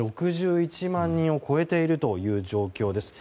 ６１万人を超えているという状況です。